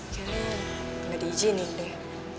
kayaknya gak diiji nih deh